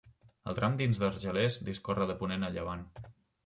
El tram dins d'Argelers discorre de ponent a llevant.